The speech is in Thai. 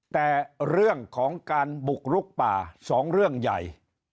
แต่เรื่องของการบุกลุกป่าสองเรื่องใหญ่